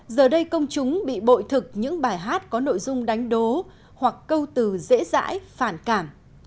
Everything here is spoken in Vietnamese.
giờ đây công chúng bị bội thực những bài hát có nội dung đánh đố hoặc câu từ dễ dãi phản cảm